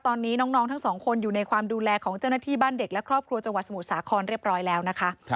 ตอนนี้น้องทั้งสองคนอยู่ในความดูแลของเจ้าหน้าที่บ้านเด็กและครอบครัวจังหวัดสมุทรสาครเรียบร้อยแล้วนะคะ